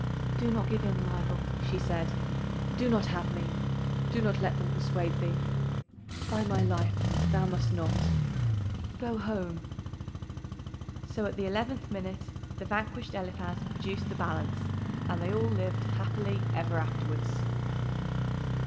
"Do not give in, Leibel," she said. "Do not have me! Do not let them persuade thee. By my life thou must not! Go home!" [Illustration: "'BY MY LIFE THOU MUST NOT!'"] So at the eleventh minute the vanquished Eliphaz produced the balance, and they all lived happily ever afterwards.